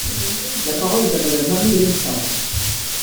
La parole est à Madame Marie-Hélène Fabre.